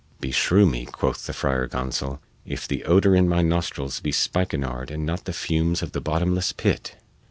"Beshrew me," quoth the Friar Gonsol, "if the odour in my nostrils be spikenard and not the fumes of the bottomless pit!"